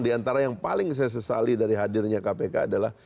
di antara yang paling saya sesali dari hadirnya kpk adalah